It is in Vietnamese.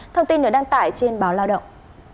thông tin nữa đang tại trên báo lao động